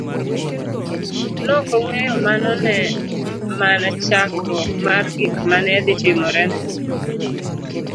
Nokong'eyo mano ne mana chakruok mar gik mane dhi timore ne.